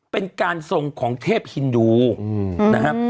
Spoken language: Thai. เป็นการทรงของเทพฮินดูนะครับ